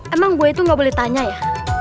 emang gue itu gak boleh tanya ya